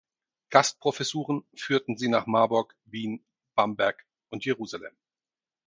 Gastprofessuren führten sie nach Marburg, Wien, Bamberg und Jerusalem.